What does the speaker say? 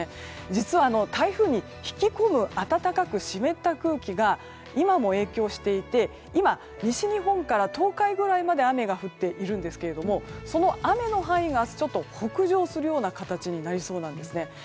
実は台風に引き込む暖かく湿った空気が今も影響していて今、西日本から東海ぐらいまで雨が降っているんですがその雨の範囲が明日ちょっと北上するような形になりそうなんですね。